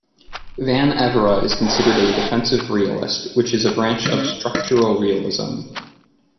Van Evera is considered a defensive realist, which is a branch of structural realism.